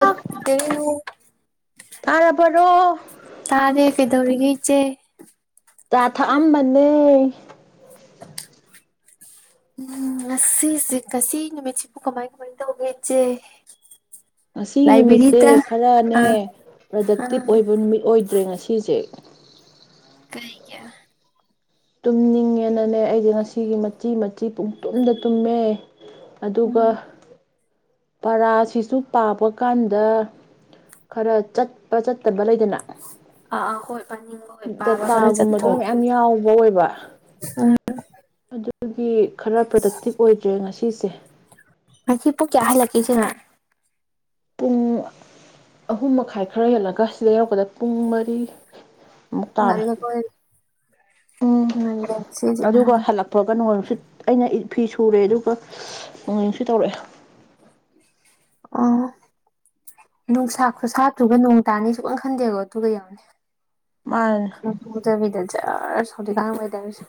ꯆꯥꯛ ꯇꯥꯔꯕꯔꯣ ꯇꯥꯔꯦ ꯀꯩꯗꯧꯔꯤꯒꯦ ꯏꯆꯦ ꯆꯥ ꯊꯛꯑꯝꯕꯅꯦ ꯎꯝ ꯉꯁꯤꯁꯤ ꯉꯁꯤ ꯅꯨꯃꯤꯠꯁꯤꯕꯨ ꯀꯃꯥꯏ ꯀꯃꯥꯏ ꯇꯧꯒꯦ ꯏꯆꯦ ꯉꯁꯤꯒꯤ ꯅꯨꯃꯤꯠꯁꯦ ꯂꯥꯏꯕ꯭ꯔꯦꯔꯤꯗ ꯈꯔꯅꯦ ꯑꯥ ꯄ꯭ꯔꯗꯛꯇꯤꯚ ꯑꯥ ꯑꯣꯏꯕ ꯅꯨꯃꯤꯠ ꯑꯣꯏꯗ꯭ꯔꯦ ꯉꯁꯤꯁꯦ ꯀꯩꯒꯤ ꯇꯨꯝꯅꯤꯡꯉꯦꯅꯅꯦ ꯑꯩꯗꯤ ꯉꯁꯤꯒꯤ ꯃꯆꯤ ꯃꯆꯤ ꯄꯨꯡꯇꯨꯝꯗ ꯇꯨꯝꯃꯦ ꯑꯗꯨꯒ ꯄꯔꯥ ꯁꯤꯁꯨ ꯄꯥꯕ ꯀꯥꯟꯗ ꯈꯔ ꯆꯠꯄ ꯆꯠꯇꯕ ꯂꯩꯗꯅ ꯑ ꯑ ꯍꯣꯏ ꯄꯥꯅꯤꯡꯕ ꯍꯣꯏ ꯄꯥꯕ ꯗꯇꯥ ꯈꯔ ꯒꯨꯝꯕꯗꯣ ꯆꯠꯇꯣꯏ ꯃꯌꯥꯝ ꯌꯥꯎꯕ ꯑꯣꯏꯕ ꯑꯗꯨꯒꯤ ꯈꯔ ꯄ꯭ꯔꯗꯛꯇꯤꯚ ꯑꯣꯏꯗ꯭ꯔꯦ ꯉꯁꯤꯁꯦ ꯉꯁꯤ ꯄꯨꯡ ꯀꯌꯥ ꯍꯜꯂꯛꯀꯦ ꯏꯆꯦꯃ ꯄꯨꯡ ꯑꯍꯨꯝ ꯃꯈꯥꯏ ꯈꯔ ꯍꯦꯜꯂꯒ ꯁꯤꯗ ꯌꯧꯔꯛꯄꯗ ꯄꯨꯡ ꯃꯔꯤ ꯃꯨꯛ ꯇꯥꯔ ꯉꯜꯂꯦꯀꯣ ꯎꯝ ꯉꯜꯂꯦ ꯉꯁꯤꯗꯤ ꯑꯗꯨꯒ ꯍꯜꯂꯛꯄꯒ ꯅꯣꯡꯂꯩ ꯅꯨꯡꯁꯤꯠ ꯑꯩꯅ ꯐꯤ ꯁꯨꯔꯦ ꯑꯗꯨꯒ ꯅꯣꯡꯂꯩ ꯅꯨꯡꯁꯤꯠ ꯇꯧꯔꯛꯑꯦ ꯎꯝ ꯅꯨꯡꯁꯥ ꯈꯨꯁꯥꯗꯨꯒ ꯅꯣꯡ ꯇꯥꯅꯤ ꯁꯨꯡꯈꯟ ꯈꯟꯗꯦ ꯑꯗꯨꯒ ꯌꯦꯡꯉꯨꯅꯦ ꯃꯥꯅ ꯈꯪꯍꯧꯗꯕꯤꯗ ꯖꯔ ꯑꯁ ꯍꯧꯖꯤꯛꯀꯥꯟ ꯋꯦꯗꯔ ꯁꯦ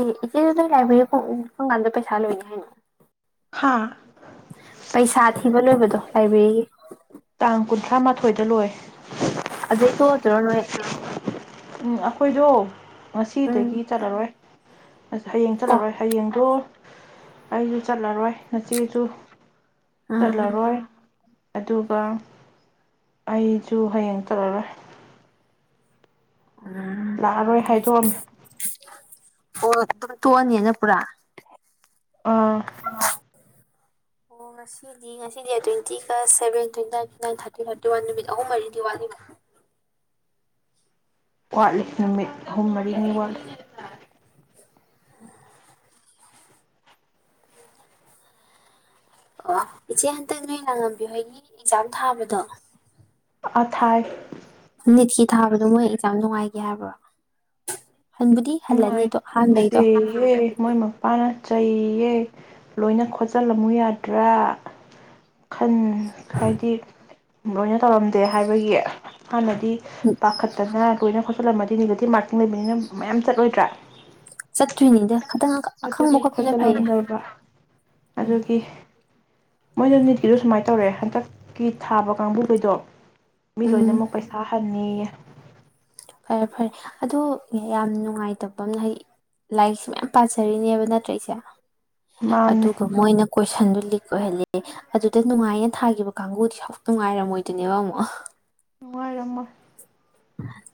ꯑꯦ ꯏꯆꯦ ꯑꯗꯣ ꯅꯣꯏ ꯂꯥꯏꯕꯦꯔꯤ ꯐꯣꯡ ꯀꯝꯀꯥꯟꯗ ꯄꯩꯁꯥ ꯂꯣꯏꯅꯤ ꯍꯥꯏꯅꯣ ꯍꯥꯥ ꯄꯩꯁꯥ ꯊꯤꯕ ꯂꯣꯏꯕꯗꯣ ꯂꯥꯏꯕ꯭ꯔꯦꯔꯤꯒꯤ ꯇꯥꯡ ꯀꯨꯟꯊ꯭ꯔꯥ ꯃꯥꯊꯣꯏꯗ ꯂꯣꯏ ꯑꯗꯨꯏ ꯇꯣꯛꯑꯗꯣꯏꯔꯣ ꯅꯣꯏ ꯎꯝ ꯑꯩꯈꯣꯏꯗꯣ ꯎꯝ ꯉꯁꯤꯗꯒꯤ ꯆꯠꯂꯔꯣꯏ ꯑ ꯍꯌꯦꯡ ꯑꯣ ꯆꯠꯂꯔꯣꯏ ꯍꯌꯦꯡꯗꯣ ꯑꯩꯁꯨ ꯆꯠꯂꯔꯣꯏ ꯅꯆꯦꯁꯨ ꯎꯝ ꯆꯠꯂꯔꯣꯏ ꯑꯗꯨꯒ ꯑꯩꯁꯨ ꯍꯌꯦꯡ ꯆꯠꯂꯔꯣꯏ ꯂꯥꯛꯑꯔꯣꯏ ꯍꯥꯏꯗꯣꯛꯑꯝꯃꯦ ꯑꯣ ꯑꯗꯨꯝ ꯇꯣꯛꯑꯅꯤꯅ ꯄꯨꯔꯥ ꯑꯥ ꯑꯣ ꯉꯁꯤꯗꯤ ꯉꯁꯤꯗꯤ ꯗꯦꯠ ꯇꯣꯏꯋꯦꯟꯇꯤꯒ ꯁꯚꯦꯟ ꯇꯣꯏꯋꯦꯟꯇꯤ ꯏꯤ ꯋꯥꯟ ꯊꯥꯔꯇꯤ ꯊꯥꯔꯇꯤ ꯋꯥꯟ ꯅꯨꯃꯤꯠ ꯑꯍꯨꯝ ꯃꯔꯤꯗꯤ ꯋꯥꯠꯂꯤꯕ ꯋꯥꯠꯂꯤ ꯅꯨꯃꯤꯠ ꯑꯍꯨꯝ ꯃꯔꯤꯅꯤ ꯋꯥꯠꯂꯤ ꯎ ꯑꯣ ꯏꯆꯦ ꯍꯟꯇꯛ ꯅꯣꯏ ꯂꯥꯡꯉꯝꯕꯤꯍꯣꯏꯒꯤ ꯑꯦꯛꯖꯥꯝ ꯊꯥꯕꯗꯣ ꯑꯥ ꯊꯥꯏ ꯅꯤꯠꯀꯤ ꯊꯥꯕꯗꯣ ꯃꯣꯏ ꯑꯦꯛꯖꯥꯝ ꯅꯨꯡꯉꯥꯏꯒꯦ ꯍꯥꯏꯕ꯭ꯔꯣ ꯍꯟꯕꯨꯗꯤ ꯍꯜꯂꯅꯤ ꯑꯗꯣ ꯑꯍꯥꯟꯕꯩꯗꯣ ꯅꯨꯡꯉꯥꯏꯇꯦꯍꯦ ꯃꯣꯏ ꯃꯄꯥꯅ ꯆꯩ ꯦ ꯂꯣꯏꯅ ꯈꯣꯠꯆꯜꯂꯝꯃꯨ ꯌꯥꯗ꯭ꯔꯥ ꯈꯟ ꯍꯥꯏꯗꯤ [inaudible] ꯇꯧꯔꯝꯗꯦ ꯍꯥꯏꯕꯒꯤ ꯍꯥꯟꯅꯗꯤ ꯄꯥꯈꯠꯇꯅ ꯂꯣꯏꯅ ꯈꯣꯠꯆꯜꯂꯝꯕ ꯅꯤꯒꯦꯇꯤꯞ ꯃꯥꯔꯀꯤꯡ ꯂꯩꯕꯅꯤꯅ ꯃꯌꯥꯝ ꯆꯠꯂꯣꯏꯗ꯭ꯔꯥ ꯆꯠꯇꯔꯤꯅꯤꯗ ꯑꯗꯨꯒꯤ ꯈꯣꯠꯆꯜꯂꯝꯃꯕ ꯑꯗꯨꯒꯤ ꯃꯣꯏꯅ ꯅꯤꯠ ꯀꯤꯗꯣ ꯁꯨꯝꯃꯥꯏ ꯇꯧꯔꯛꯑꯦ ꯍꯟꯇꯛ ꯅꯤꯠ ꯊꯥꯕ ꯀꯥꯡꯕꯨ ꯈꯩꯗꯣ ꯎꯝ ꯃꯤꯂꯣꯏꯅꯃꯛ ꯄꯩꯁꯥ ꯍꯟꯅꯤꯌꯦ ꯐꯔꯦ ꯐꯔꯦ ꯑꯗꯨ ꯌꯥꯝ ꯅꯨꯡꯉꯥꯏꯇꯕꯃ ꯍꯥꯏꯗꯤ ꯂꯥꯏꯔꯤꯛꯁꯨ ꯌꯥꯝ ꯄꯥꯖꯔꯤꯕꯅꯦ ꯅꯠꯇꯔ ꯏꯆꯦ ꯃꯥꯅꯦ ꯑꯗꯨꯒ ꯃꯣꯏꯅ ꯀꯣꯏꯁꯟꯗꯨ ꯂꯤꯛ ꯍꯧꯖꯤꯛꯇꯤ ꯅꯨꯡꯉꯥꯏꯌꯦꯅ ꯊꯥꯈꯤꯕ ꯀꯥꯡꯒꯨꯗꯤ ꯅꯨꯡꯉꯥꯏ ꯔꯝꯃꯣꯏꯗꯔꯤꯅꯦꯕ ꯑꯃꯨꯛ ꯅꯨꯡꯉꯥꯏ ꯔꯝꯃꯣꯏ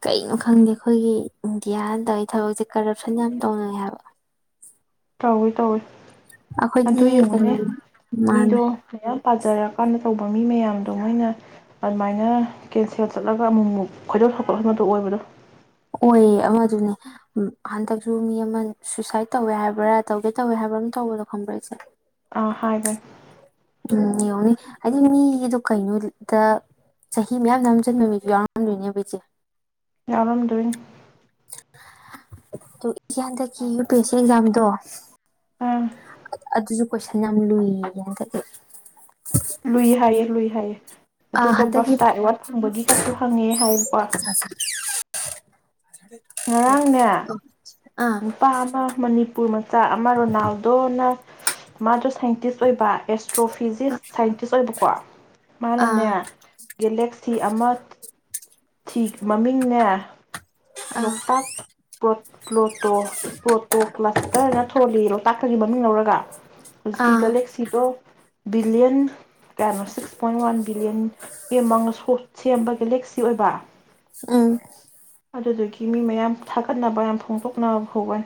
ꯀꯩꯅꯣ ꯈꯪꯗꯦ ꯑꯩꯈꯣꯏꯒꯤ ꯏꯟꯗꯤꯌꯥꯅ ꯇꯧꯏ ꯊꯕꯛꯁꯤ ꯀꯔꯞꯁꯟ ꯌꯥꯝ ꯇꯧꯏ ꯇꯧꯏ ꯇꯧꯏ ꯑꯗꯣ ꯌꯦꯡꯎꯅꯦ ꯀꯩꯅꯣꯅꯦ ꯃꯥꯅꯦ ꯃꯤꯗꯣ ꯃꯌꯥꯝ ꯄꯥꯖꯥꯔꯀꯥꯟꯗ ꯇꯧꯕ ꯃꯤ ꯃꯌꯥꯝꯗꯣ ꯃꯣꯏꯅ ꯑꯗꯨꯃꯥꯏꯅ ꯀꯦꯟꯁꯦꯜ ꯆꯠꯂꯒ ꯑꯃꯨꯛ ꯑꯃꯨꯛ ꯈꯣꯏꯗꯧ ꯁꯥꯎꯍꯠꯍꯟꯕꯗꯣ ꯑꯣꯏꯕꯗꯣ ꯑꯣꯏꯌꯦ ꯑꯃꯗꯨꯅꯤ ꯍꯟꯇꯛꯁꯨ ꯃꯤ ꯑꯃꯥ ꯁꯨꯁꯥꯏꯗ ꯇꯧꯋꯦ ꯍꯥꯏꯕꯔ ꯇꯧꯗꯧ ꯇꯧꯋꯦ ꯍꯥꯏꯕꯔ ꯑꯃꯥ ꯇꯧꯕꯗꯣ ꯈꯡꯕ꯭ꯔ ꯏꯆꯦ ꯑꯑ ꯍꯥꯏꯕꯅꯦ ꯎꯝ ꯌꯦꯡꯎꯅꯦ ꯍꯥꯏꯗꯤ ꯃꯤꯗꯣ ꯀꯔꯤꯅꯣꯗ ꯆꯍꯤ ꯃꯌꯥꯝ ꯅꯝꯖꯟꯕꯥ ꯃꯤꯖꯨ ꯌꯥꯎꯔꯝꯗꯣꯏꯅꯦꯕ ꯏꯆꯦ ꯌꯥꯎꯔꯝꯗꯣꯏꯅꯦ ꯑꯗꯒꯤ ꯍꯟꯇꯛꯀꯤ ꯌꯨ ꯄꯤ ꯑꯦ ꯁꯤ ꯑꯦꯛꯖꯥꯝꯗꯣ ꯑꯥ ꯑꯗꯨꯖꯨ ꯀꯣꯏꯁꯟ ꯌꯥꯝ ꯂꯨꯏꯌꯦꯌꯦ ꯍꯟꯇꯛ [inaudible] ꯂꯨꯏ ꯍꯥꯏꯌꯦ ꯂꯨꯏ ꯍꯥꯏꯌꯦ ꯑꯥ ꯑꯗꯨꯒ ꯍꯟꯗꯛꯀꯤ ꯕꯥꯞꯇ ꯑꯋꯥꯔꯗ ꯐꯪꯕꯒꯤꯒꯖꯨ ꯍꯪꯉꯛꯑꯦ ꯍꯥꯏꯕꯀꯣ ꯉꯔꯥꯡꯅꯦ [inaudible] ꯅꯨꯄꯥ ꯑꯃꯥ ꯃꯅꯤꯄꯨꯔ ꯄꯨꯔ ꯝꯆ ꯆꯥ ꯑꯃꯥ ꯔꯣꯅꯥꯜꯗꯣꯅ ꯃꯖꯨ ꯁꯥꯏꯟꯇꯤꯁꯠ ꯑꯣꯏꯕ ꯑꯁꯇꯔꯣ ꯇꯔꯣꯐꯤꯖꯤꯁ ꯁꯥꯏꯟꯇꯤꯁꯠ ꯑꯣꯏꯕꯀꯣ ꯃꯅꯥꯅꯦ ꯑꯥ ꯒꯦꯂꯦꯛꯁꯤ ꯑꯃꯥ ꯆꯤꯛ ꯃꯃꯤꯡꯅꯦ ꯑꯥ ꯂꯣꯛꯇꯥꯛ ꯄꯔꯣꯇ ꯂꯣꯛ ꯇꯣ ꯄꯔꯣꯇꯣꯀꯂꯥꯁꯇꯔꯅ ꯊꯣꯜꯂꯤꯔꯣ ꯄꯥꯠꯇꯒꯤ ꯃꯃꯤꯡ ꯂꯧꯔꯒ ꯍꯧꯖꯤꯛꯀꯤ ꯑꯥ ꯒꯦꯂꯦꯛꯁꯤꯗꯣ ꯕꯤꯂꯤꯌꯟ ꯀꯌꯥꯅꯣ ꯁꯤꯀꯁ ꯄꯣꯏꯟꯠ ꯋꯥꯟ ꯌꯦꯡꯎ ꯏꯕꯦꯃ [inaudible] ꯎꯝ ꯑꯗꯨꯗꯨꯒꯤ ꯃꯤ ꯃꯌꯥꯝ ꯊꯥꯒꯠꯅꯕꯥ ꯐꯣꯡꯗꯣꯛꯅꯕ ꯐꯥꯎꯕ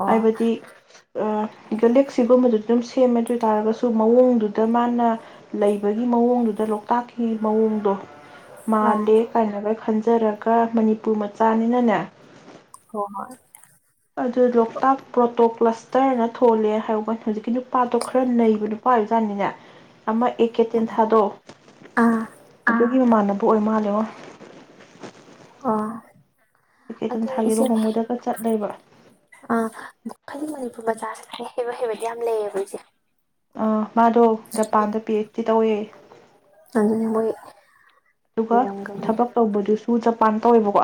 ꯑꯣ ꯍꯥꯌꯕꯗꯤ ꯒꯦꯂꯦꯛꯁꯤ ꯒꯨꯝꯕꯗꯣ ꯗꯨꯝ ꯁꯦꯝꯃꯦ ꯑꯗꯣꯏꯇꯔꯒꯁꯨ ꯃꯥꯑꯣꯡꯗꯨꯗ ꯃꯅꯥ ꯂꯩꯕꯒꯤ ꯃꯑꯣꯡꯗꯨꯗ ꯂꯣꯛꯇꯥꯛꯀꯤ ꯃꯑꯣꯡꯗꯣ ꯑꯥ ꯃꯥꯜꯂꯦ ꯀꯥꯏꯅꯒ ꯈꯟꯖꯔꯛ ꯄ ꯃꯅꯤꯄꯨꯔ ꯃꯆꯥꯅꯤꯅꯅꯦ ꯍ‌ꯣ ꯍ‌ꯣꯏ ꯑꯗꯨꯗꯣ ꯂꯣꯛꯇꯥꯛ ꯄꯔꯣꯇꯣꯄꯂꯁ ꯇꯔꯅ ꯊꯣꯜꯂꯦ ꯍꯥꯏꯕ ꯍꯧꯖꯤꯛꯀꯤ ꯅꯨꯄꯥꯗꯣ ꯈꯔꯥ ꯅꯩꯕ ꯅꯨꯄꯥ ꯑꯣꯏꯕꯖꯥꯠꯅꯤꯅꯦ ꯑꯃꯥ ꯑꯦꯀꯦ ꯇꯦꯟꯊꯥꯗꯣ ꯑꯥ ꯑꯥꯑꯥ ꯑꯣ ꯑꯦ ꯀꯦ ꯑꯗꯨꯅ ꯇꯦꯟꯊꯥꯒꯤ ꯏꯆ‌ꯦ ꯂꯨꯍꯣꯡꯕꯗꯒ ꯆꯠꯂꯦꯕ [unintelligible] ꯑꯥ [unintelligible] ꯑꯨꯝ ꯃꯥꯗꯣ ꯖꯄꯥꯟꯗ ꯄꯤ꯬ꯍꯩꯁ꯬ꯗꯤ ꯇꯧꯋꯦꯌꯦ ꯑꯗꯨꯅ ꯃꯣꯏ ꯑꯗꯨꯒ ꯍꯩꯔꯝꯒꯅꯤ ꯊꯕꯛ ꯇꯧꯔꯗꯨꯁꯨ [unintelligible] ꯖꯥꯄꯥꯟ ꯇꯧꯋꯦꯕꯀꯣ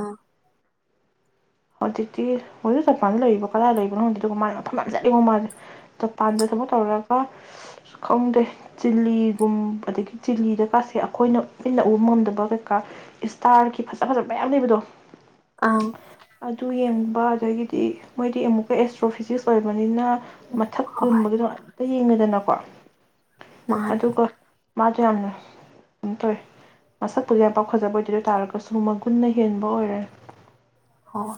ꯑꯥ ꯍꯧꯖꯤꯛꯇꯤ ꯍꯧꯖꯤꯛ ꯖꯥꯄꯥꯟꯗ ꯂꯩꯔꯤꯕꯣ ꯀꯗꯥꯢ ꯂꯩꯕꯅꯣ ꯈꯪꯗꯦ꯫ ꯑꯗꯨꯒ ꯃꯥꯖ ꯃꯐꯝ ꯌꯥꯝ ꯆꯠꯂꯤꯉꯣ ꯃꯥꯁꯦ꯫ ꯑꯪ ꯗꯤ ꯃꯣꯢꯗꯤ ꯑꯃꯨꯛꯀꯥ ꯑꯦꯁꯇ꯭ꯔꯣ ꯐꯤꯖꯤꯛꯁ ꯑꯣꯢꯕꯅꯤꯅ ꯃꯊꯛ ꯀꯨꯝꯗꯨꯗ ꯍꯦꯛꯇ ꯌꯦꯡꯗꯅꯀꯣ ꯃꯥꯅꯦ ꯑꯗꯨꯒ ꯃꯥꯗꯨ ꯌꯥꯝꯅ꯬꯬꯬ ꯃꯁꯛꯄꯨꯗꯤ ꯌꯥꯝꯄꯥꯛ ꯐꯖꯕ ꯑꯣꯢꯗꯦ꯫ ꯑꯗꯨꯑꯣꯢ ꯇꯥꯔꯒꯁꯨ ꯃꯒꯨꯟꯅ ꯍꯦꯟꯕ ꯑꯣꯢꯔꯦ ꯍꯣꯢ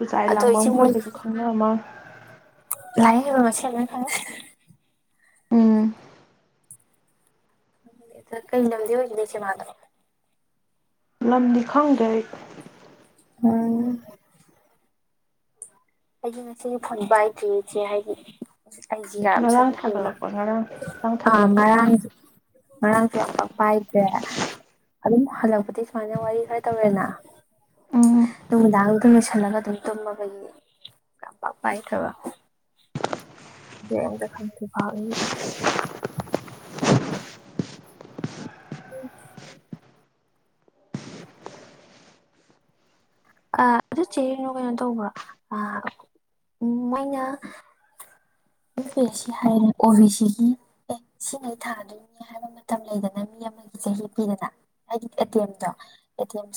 ꯄꯨꯖꯥ ꯑꯦꯂꯥꯡꯕꯝ ꯍꯣꯢꯒꯁꯨ ꯈꯪꯅ ꯃꯥꯜꯂꯦ ꯂꯥꯢꯔꯤꯛ ꯍꯩꯕ ꯃꯁꯦꯟꯅꯤꯅ ꯈꯪꯅ [unintelligible] ꯎꯝ [unintelligible] ꯀꯩ ꯂꯝꯗꯩ ꯑꯣꯢꯒꯦ ꯆꯦ ꯃꯥꯗꯣ ꯂꯝꯗꯤ ꯈꯪꯗꯦ ꯑꯩ꯫ ꯎꯝꯝ ꯑꯩꯗꯤ ꯉꯁꯤꯒꯤ ꯐꯣꯟ ꯄꯥꯢꯗ꯭ꯔꯤꯌꯦ ꯆꯦ ꯍꯥꯢꯗꯤ ꯉꯔꯥꯡ ꯊꯥꯒꯠꯂꯛꯄ ꯉꯔꯥꯡ ꯉꯔꯥꯡ [unintelligible] ꯑꯥ ꯊꯥꯒꯠꯂꯛꯄ ꯉꯔꯥꯡꯁꯨ, ꯉꯔꯥꯡꯁꯨ ꯌꯥꯝꯄꯥꯛ ꯄꯥꯢꯗ꯭ꯔꯦ ꯑꯗꯨꯝ ꯍꯜꯂꯛꯄꯗꯩ ꯁꯨꯃꯥꯏꯅ ꯋꯥꯔꯤ ꯈꯔ ꯇꯧꯔꯦꯅ ꯎꯝ ꯅꯨꯃꯤꯗꯥꯡꯗꯨꯗ ꯃꯦꯁꯦꯖ ꯍꯜꯂꯒ ꯑꯗꯨꯝ ꯇꯨꯝꯃꯕꯩꯅꯦ꯫ ꯄꯥꯛ-ꯄꯥꯛ ꯄꯥꯢꯗꯕ [unintelligible] ꯑꯥ ꯑꯗꯨ ꯆꯦ ꯀꯩꯅꯣ, ꯀꯩꯅꯣ ꯇꯧꯕ꯭ꯔꯣ ꯑꯥ ꯃꯣꯢꯅ [unintelligible] ꯑꯣ ꯕꯤꯁꯤꯒꯤ ꯑꯦ ꯁꯤꯒꯩ ꯊꯥꯗꯣꯢꯅꯤ ꯍꯥꯢꯕ ꯃꯇꯝ ꯂꯩꯗꯅ ꯃꯤ ꯑꯃꯒꯤ ꯆꯍꯤ ꯄꯤꯗꯅ ꯍꯥꯢꯗꯤ ꯑꯇꯦꯝꯇꯣ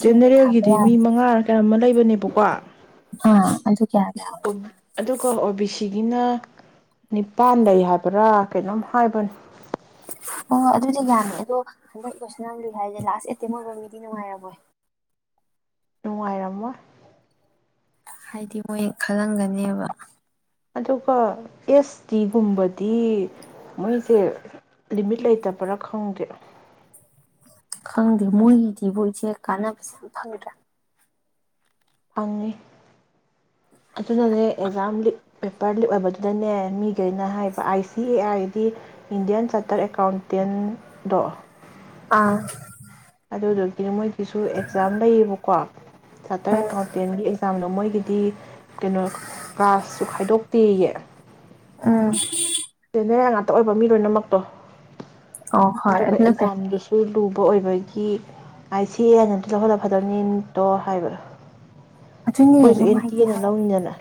ꯖꯦꯔꯅꯦꯜꯒꯤꯗꯤ ꯃꯤ ꯃꯉꯥꯔꯥ ꯀꯌꯥꯅꯣꯝ ꯂꯩꯕꯅꯦꯕꯀꯣ, ꯑꯥ ꯑꯗꯨ ꯀꯌꯥ ꯀꯌꯥ ꯑꯗꯨꯒ ꯑꯣ ꯕꯤ ꯁꯤ ꯒꯤꯅ ꯅꯤꯄꯥꯟ ꯂꯩ ꯍꯥꯕ꯭ꯔꯥ ꯀꯩꯅꯣꯝ ꯍꯥꯢꯕꯅꯦ ꯑꯣ ꯑꯗꯨꯗꯤ ꯌꯥꯝꯃꯦ ꯑꯗꯣ [inaudible] ꯂꯥꯁꯇ ꯑꯇꯦꯝꯇ ꯑꯣꯢꯕ ꯃꯤꯗꯤ ꯅꯨꯡꯉꯥꯢꯔꯝꯃꯣꯢ ꯅꯨꯡꯉꯥꯢꯔꯝꯃꯣꯢ꯫ ꯍꯥꯏꯗꯤ ꯃꯣꯏ ꯈꯜꯂꯝꯒꯅꯤꯕ ꯑꯗꯨꯒ ꯑꯦꯁ ꯇꯤꯒꯨꯝꯕꯗꯤ ꯃꯣꯏꯁꯦ ꯂꯤꯃꯤꯠ ꯂꯩꯇꯕ꯭ꯔꯥ ꯈꯪꯗꯦ ꯈꯪꯗꯦ ꯃꯣꯏꯒꯤꯗꯤꯕꯨ ꯏꯁꯦ ꯀꯥꯟꯅꯕꯁꯦ ꯌꯥꯝ ꯐꯪꯒꯗ꯭ꯔꯥ ꯐꯪꯉꯤ ꯑꯗꯨꯅꯅꯦ ꯑꯦꯛꯖꯥꯝ ꯂꯤꯛ ꯄꯦꯄꯔ ꯂꯤꯛ ꯑꯣꯏꯕꯗꯨꯗꯅꯦ ꯃꯤꯒꯩꯅ ꯍꯥꯏꯕ ꯑꯥꯏ ꯁꯤ ꯑꯦ ꯒꯤꯗꯤ ꯏꯟꯗꯤꯌꯥꯟ ꯆꯥꯔꯇꯔ ꯑꯦꯀꯥꯎꯟꯇꯦꯟꯗꯣ ꯑꯥ ꯑꯗꯨꯗꯨꯒꯤꯗꯤ ꯃꯣꯏꯒꯤꯁꯨ ꯑꯦꯛꯖꯥꯝ ꯂꯩꯌꯦꯕꯀꯣ ꯆꯥꯇꯔ ꯎꯝ ꯑꯦꯀꯥꯎꯟꯇꯦꯟꯒꯤ ꯑꯦꯛꯖꯥꯝꯗꯣ ꯃꯣꯏꯒꯤꯗꯤ ꯀꯩꯅꯣ ꯀ꯭ꯂꯥꯁꯁꯨ ꯈꯥꯏꯗꯣꯛꯇꯦꯌꯦ ꯎꯝ ꯖꯦꯅꯦꯔꯦꯜ ꯉꯥꯛꯇ ꯑꯣꯏꯕ ꯃꯤ ꯂꯣꯏꯅꯃꯛꯇꯣ ꯑꯣ ꯍꯣꯏ ꯑꯗꯨꯒ ꯑꯗꯨꯅ ꯐꯩ ꯑꯦꯛꯖꯥꯝꯗꯨꯁꯨ [unintelligible] ꯑ‌ꯣꯏꯕꯩꯗꯤ ꯒꯤ ꯑꯥꯏꯁꯤꯑ‌ꯦꯅ ꯂꯧꯍꯜꯂ ꯐꯗꯧꯅꯤꯗ‌ꯣ ꯍꯥꯏꯕ ꯑꯗꯨꯅꯦ ꯑꯈ‌ꯣꯏꯁꯨ ꯑꯟ ꯇꯤ ꯅꯨꯡꯉꯥꯏꯇꯦ ꯑ‌ꯦ ꯅ ꯍꯥꯏꯕ ꯂꯧꯅꯤꯗꯅ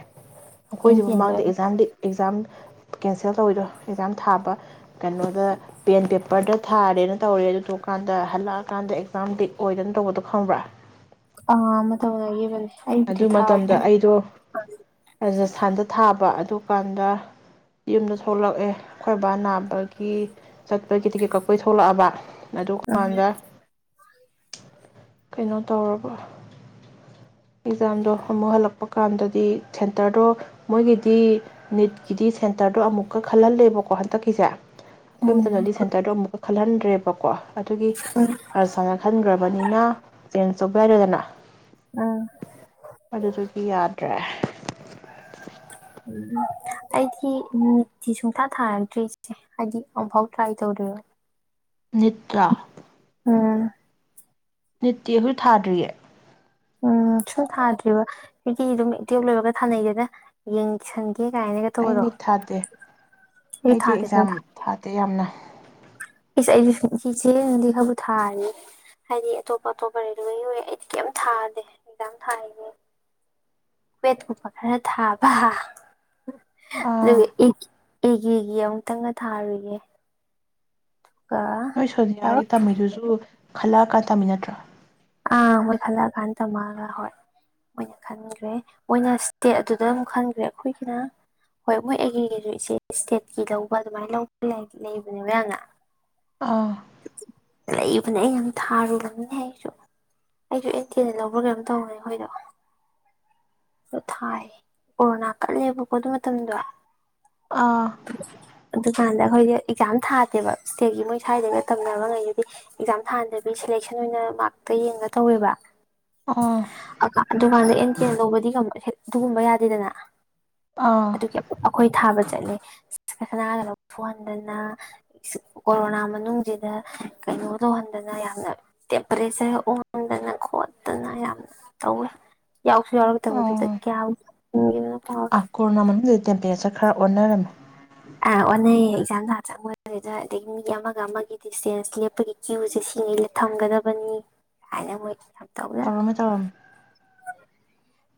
ꯑꯦꯟ ꯑꯩꯈ‌ꯣꯏꯁꯨ ꯇꯤ ꯑꯦꯟꯗ ꯃꯃꯥꯡꯗ ꯑꯣꯏꯅ ꯑ‌ꯦꯛꯖꯥꯝ ꯂꯤꯛ ꯑ‌ꯦꯛꯖꯥꯝ ꯀꯦꯟ ꯁꯦꯜ ꯇꯧꯔꯤ ꯑꯦꯛꯖꯥꯝ ꯊꯥꯕ ꯀꯩꯢꯅꯣꯗ ꯄꯦꯟ ꯄꯦꯔ ꯊꯥꯔꯦ ꯇꯧꯔꯦ ꯑꯗꯨ ꯀꯥꯟꯗ ꯑꯗꯨ ꯀꯥꯟ ꯑꯦꯛꯖꯥꯝ ꯂꯤꯛ ꯑꯣꯏꯗꯅ ꯇꯧꯕꯗꯨ ꯈꯪꯕ꯭ꯔ ꯀꯉꯥ ꯑꯃ ꯊꯣꯡꯅꯥꯒꯤꯕꯅꯤ ꯑꯗꯨ ꯃꯇꯝꯗ ꯑꯩꯗꯣ ꯔꯥꯖꯁꯊꯥꯟꯗ ꯊꯥꯕ ꯇꯨꯀꯥꯟꯗ ꯌꯨꯝꯗ ꯊꯣꯂꯛꯑꯦ ꯑꯩꯈꯣꯏ ꯕꯥ ꯅꯥꯕꯒꯤ ꯆꯠꯄꯩ ꯇꯤꯀꯦꯠ ꯀꯛꯄꯒꯤ ꯊꯣꯔꯛꯑꯕ ꯑꯗꯨ ꯎꯝ ꯀꯥꯟꯗ ꯀꯩꯅꯣ ꯇꯧꯔꯕꯣ ꯑꯦꯛꯖꯥꯝꯗꯣ ꯑꯃꯨꯛ ꯍꯜꯂꯛꯄ ꯀꯥꯟꯗꯗꯤ ꯁꯦꯟꯇꯔꯗꯣ ꯃꯣꯏꯒꯤꯗꯤ ꯅꯤꯠꯀꯤꯗꯤ ꯁꯦꯟꯇꯔꯗꯣ ꯑꯃꯨꯛꯀ ꯈꯜꯍꯟꯂꯦꯕꯀꯣ ꯍꯑꯗꯛꯀꯤꯁꯦ ꯑꯈꯣꯏ ꯎꯝ ꯃꯇꯝꯗꯗꯤ ꯁꯦꯟꯇꯔꯗꯣ ꯑꯃꯨꯛꯀ ꯈꯂꯟꯗ꯭ꯔꯦꯕꯀꯣ ꯑꯗꯨꯒꯤ ꯑꯁꯍꯥꯅ ꯈꯟꯒ꯭ꯔꯕꯅꯤꯅ ꯁꯦꯟ ꯆꯣꯞꯅꯔꯦꯗꯅ ꯎꯝ ꯑꯗꯨꯗꯒꯤ ꯌꯥꯗ꯭ꯔꯦ ꯎꯝ ꯑꯩꯗꯤ ꯅꯤꯠꯇꯤ ꯁꯨꯡꯊꯥ ꯊꯥꯔꯛꯇ꯭ꯔꯤ ꯏꯆꯦ ꯍꯥꯏꯗꯤ ꯑꯝꯐꯥꯎ ꯇ꯭ꯔꯥꯏ ꯇꯧꯗ꯭ꯔꯤꯌꯦꯕ ꯅꯤꯠ ꯂꯣ ꯅꯤꯠꯇꯤ ꯑꯩꯁꯨ ꯊꯥꯗ꯭ꯔꯤꯌꯦ ꯎꯨꯝ ꯁꯨꯝ ꯊꯥꯗ꯭ꯔꯤꯕ ꯃꯤꯗꯤ ꯑꯗꯨꯝ ꯇꯨꯌꯦꯜꯄ ꯂꯣꯏꯕꯒ ꯊꯥꯅꯩꯗꯅ ꯌꯦꯡꯁꯟꯒꯦ ꯀꯥꯏꯅꯒ ꯇꯧꯕꯗꯣ ꯑꯩꯗꯤ ꯊꯥꯗꯦ ꯑꯩꯁꯨ ꯑꯩꯗꯤ ꯊꯥꯗꯦ ꯑꯦꯛꯖꯥꯝ ꯁꯨꯡꯊꯥ ꯊꯥꯗꯦ ꯌꯥꯝꯅ ꯏꯁ ꯑꯩꯗꯤ ꯁꯨꯡ ꯏꯆꯦꯕꯨꯗꯤ ꯈꯔꯕꯨ ꯊꯥꯔꯤꯌꯦ ꯍꯥꯏꯗꯤ ꯑꯇꯣꯞ-ꯑꯇꯣꯞꯄ ꯔꯦꯜꯋꯦꯒꯤ ꯑꯣꯏꯒꯦꯔ ꯑꯩꯗꯤ ꯀꯩꯝ ꯊꯥꯗꯦ ꯑꯦꯖꯥꯝ ꯊꯥꯏꯁꯦ ꯀꯋꯦꯠ ꯀꯨꯝꯕ ꯈꯔ ꯊꯥꯕ ꯍ ꯑꯥ ꯑꯗꯨꯒ ꯏꯛ- ꯑꯦꯒ꯭ꯔꯤꯒꯤ ꯑꯃꯨꯛꯇꯡꯒ ꯊꯥꯔꯨꯏꯒꯦ [inaudible] [inaudible] ꯅꯣꯏ ꯌꯥꯔꯣ ꯁꯣꯅꯤꯌꯥꯒꯤ ꯇꯝꯃꯤꯗꯨꯁꯨ ꯈꯜꯂꯛꯑꯀꯥꯟ ꯇꯝꯃꯤ ꯅꯠꯇ꯭ꯔꯣ ꯑꯥ-ꯃꯣꯏ ꯈꯜꯂꯛꯑꯀꯥꯟ ꯇꯝꯕ ꯍꯣꯏ ꯃꯣꯏꯅ ꯈꯟꯒ꯭ꯔꯦ ꯃꯣꯏꯅ ꯏꯁꯇꯦ ꯑꯗꯨꯗꯃꯨꯛ ꯈꯟꯒ꯭ꯔꯦ ꯑꯩꯈꯣꯏꯒꯤꯅ ꯍꯣꯏ ꯃꯣꯏ ꯑꯦꯒ꯭ꯔꯤꯒꯤꯗꯣ ꯏꯁꯇꯦꯠꯀꯤ ꯂꯧꯕ ꯑꯗꯨꯃꯥꯏ ꯒꯥꯏ ꯂꯩꯕꯅꯦꯕ ꯌꯥꯝꯅ ꯑꯥ ꯂꯩꯕꯅꯦ ꯑꯩ ꯌꯥꯝ ꯊꯥꯔꯨꯕꯅꯤꯅꯦ ꯑꯩꯁꯨ ꯑꯩꯁꯨ ꯑꯩ ꯇꯦꯟꯗ ꯂꯧꯕ꯭ꯔ ꯀꯩꯅꯣꯝ ꯇꯧꯕꯅꯤ ꯑꯩꯈꯣꯏꯗꯣ ꯑꯗ ꯊꯥꯏ ꯀꯣꯔꯣꯅꯥ ꯀꯜꯂꯦꯕꯥ ꯑꯗꯨꯏ ꯃꯇꯝꯗꯣ ꯑꯥ ꯀꯥꯟꯗ ꯑꯩꯈꯣꯏꯗꯣ ꯑꯦꯛꯖꯥꯝ ꯊꯥꯗꯦꯕ ꯏꯁꯇꯦꯠꯀꯤ ꯃꯣꯏ ꯁꯋꯥꯏꯗ ꯇꯝꯅꯕ ꯈꯩꯁꯤꯗꯤ ꯑꯦꯛꯖꯥꯝ ꯊꯥꯍꯟꯗꯕꯤ ꯁꯦꯂꯦꯛꯁꯟ ꯑꯣꯏꯅ ꯃꯥꯔꯛ [unintelligible] ꯑ ꯑꯗꯨꯝ ꯀꯥꯟꯗ ꯑꯦꯟ ꯀꯦ ꯂꯧꯕꯗꯤ ꯑꯗꯨꯒꯨꯝꯕ ꯌꯥꯗꯦꯗꯅ ꯑꯥ ꯑꯗꯨꯒꯤ ꯑꯩꯈꯣꯏ ꯊꯥꯕ ꯁꯅꯥꯒ ꯂꯧꯊꯣꯛꯍꯟꯗꯅ ꯀꯣꯔꯣꯅꯥ ꯃꯅꯨꯡꯖꯤꯗ ꯀꯩꯅꯣ ꯇꯧꯍꯟꯗꯅ ꯌꯥꯝꯅ ꯑꯣꯟꯗꯅ ꯈꯣꯠꯇꯅ ꯌꯥꯝ ꯇꯧꯋꯦ ꯌꯥꯎꯁꯨ ꯌꯥꯎꯔꯛꯇꯕꯗꯨꯗ ꯑꯣ ꯀꯌꯥꯝ ꯇꯧꯋꯦ ꯇꯦꯝꯄꯦꯌꯦꯆꯔ ꯈꯔ ꯑꯣꯟꯅꯔꯝꯃꯦ ꯑ ꯑꯣꯟꯅꯩꯌꯦ [unintelligible] ꯑꯗꯒꯤ ꯃꯤꯒꯤ ꯑꯃꯒ ꯑꯃꯒꯤ ꯗꯤꯁꯇꯦꯟꯁ ꯂꯦꯞꯄꯒꯤ ꯀ꯭ꯌꯨꯖꯦ ꯁꯤꯉꯩ ꯊꯝꯒꯗꯕꯅꯤ ꯀꯥꯏꯅ ꯃꯣꯏ ꯇꯧꯅ ꯇꯧꯔꯝꯃꯦ ꯇꯧꯔꯝꯃꯦ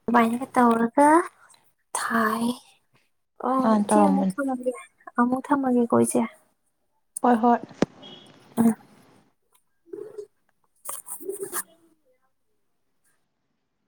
ꯑꯗꯨꯃꯥꯏꯅꯒ ꯇꯧꯔꯒ ꯊꯥꯏ ꯑꯣ ꯃꯥꯅ ꯏꯆꯦ ꯑꯃꯨꯛ ꯇꯧꯔꯝꯕꯅꯤ ꯊꯝꯃꯒꯦ ꯑꯃꯨꯛ ꯊꯝꯃꯒꯦꯀꯣ ꯏꯆꯦ ꯍꯣꯏ ꯍꯣꯏ [inaudible]